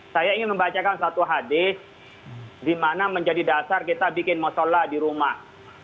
saya ingin membacakan satu hadis di mana menjadi dasar kita bikin musola di rumah